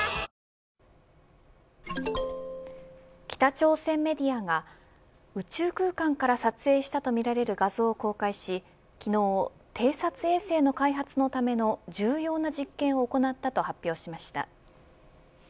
北朝鮮メディアが宇宙空間から撮影したとみられる画像を公開し昨日、偵察衛星の開発のための重要な実験を行ったと発表しました。